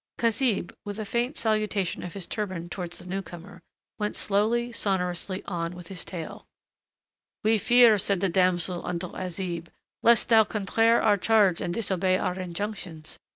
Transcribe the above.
Khazib, with a faint salutation of his turban towards the newcomer, went slowly, sonorously on with his tale. "We fear," said the damsel unto Azib, "lest thou contraire our charge and disobey our injunctions.